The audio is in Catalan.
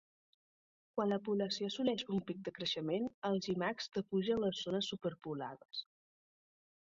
Quan la població assoleix un pic de creixement, els llimacs defugen les zones superpoblades.